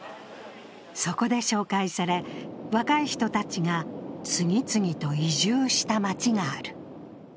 そこで紹介され、若い人たちが次々と移住した町がある。